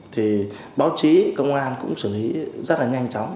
thì báo chí công an cũng xử lý rất là nhanh chóng